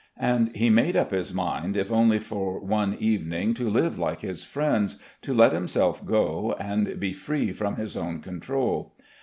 And he made tip his mind if only for one evening to live like his friends, to let himself go, and be free from his own control.